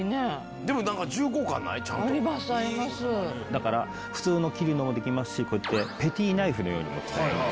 だから普通の切るのもできますしこうやってペティナイフのようにも使える。